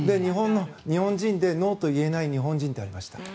日本人でノーと言えない日本人ってありました。